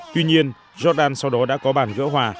tuy nhiên jordan sau đó đã có bản gỡ hòa